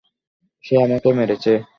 সে আমাকে মেরেছে!